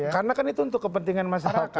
karena kan itu untuk kepentingan masyarakat